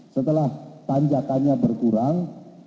setelah tanjakannya berkurang